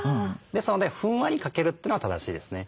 ですのでふんわりかけるというのが正しいですね。